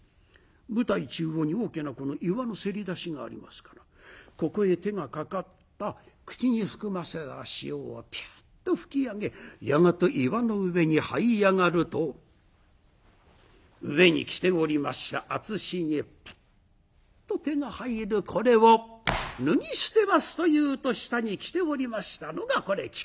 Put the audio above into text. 舞台中央に大きな岩のせり出しがありますからここへ手がかかった口に含ませた潮をピュっと吹き上げやがて岩の上にはい上がると上に着ておりました厚司にピュッと手が入るこれを脱ぎ捨てますというと下に着ておりましたのがこれ亀甲縞だ。